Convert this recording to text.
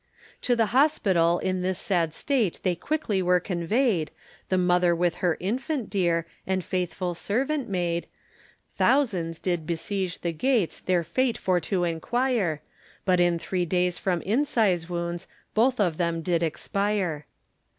To the hospital in this sad state they quickly were conveyed, The mother with her infant dear, and faithful servant maid, Thousands did besiege the gates, their fate for to enquire, But in three days from incise wounds, both of them did expire.